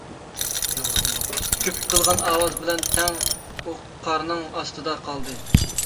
«گۈپ» قىلغان ئاۋاز بىلەن تەڭ ئۇ قارنىڭ ئاستىدا قالدى.